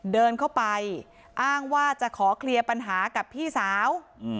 เดินเข้าไปอ้างว่าจะขอเคลียร์ปัญหากับพี่สาว